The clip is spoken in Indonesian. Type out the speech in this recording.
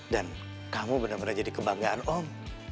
dan kamu bener bener jadi kebanggaan om